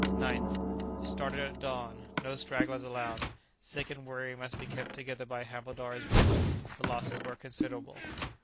9th. Started at dawn. No stragglers allowed; sick and weary must be kept together by havildars' whip; the losses were considerable.